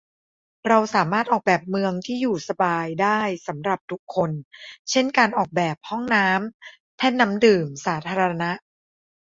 เราสามารถออกแบบเมืองที่อยู่สบายได้สำหรับทุกคน เช่นการออกแบบ ห้องน้ำ แท่นน้ำดื่มสาธารณะ